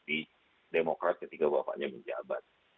di demokrat ketika bapaknya menjabat